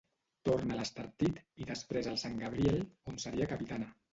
Torna a l'Estartit, i després al Sant Gabriel, on seria capitana.